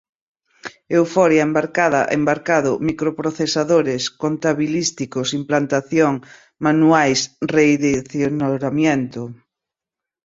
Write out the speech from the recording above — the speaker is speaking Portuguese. euphoria, embarcada, embarcado, microprocessadores, contabilísticos, implantação, manuais, redirecionamento